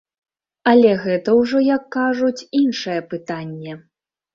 Але гэта ўжо, як кажуць, іншае пытанне.